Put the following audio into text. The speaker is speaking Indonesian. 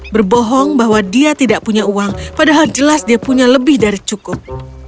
berbohong bahwa dia tidak punya uang padahal jelas dia punya lebih dari cukup